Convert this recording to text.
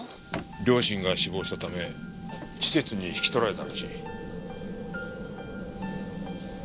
両親が死亡したため施設に引き取られたらしい。